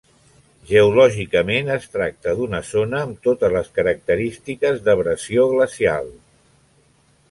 Geològicament es tracta d'una zona amb totes les característiques d'abrasió glacial.